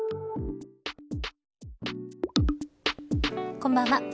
こんばんは。